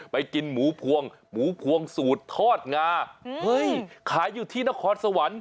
กินหมูพวงหมูพวงสูตรทอดงาเฮ้ยขายอยู่ที่นครสวรรค์